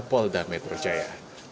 polda metro jaya